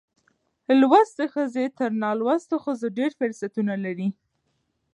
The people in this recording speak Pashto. لوستې ښځې تر نالوستو ښځو ډېر فرصتونه لري.